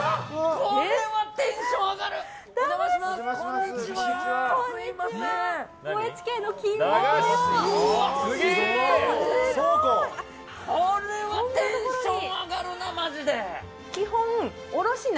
これはテンション上がるな。